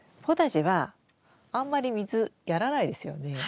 ポタジェはあんまり水やらないですよね。